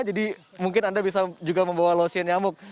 jadi mungkin anda bisa juga membawa lotion nyamuk